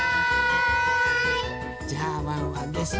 じゃあワンワンですね。